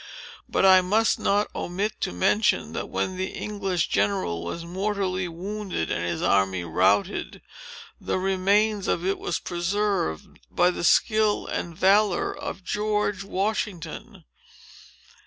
But, I must not omit to mention, that when the English general was mortally wounded, and his army routed, the remains of it were preserved by the skill and valor of GEORGE WASHINGTON."